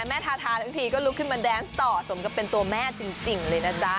ทาทาทั้งทีก็ลุกขึ้นมาแดนส์ต่อสมกับเป็นตัวแม่จริงเลยนะจ๊ะ